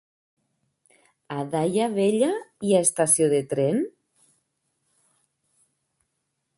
A Daia Vella hi ha estació de tren?